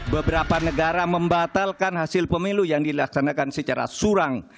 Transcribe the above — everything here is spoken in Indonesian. beberapa negara membatalkan hasil pemilu yang dilaksanakan secara surang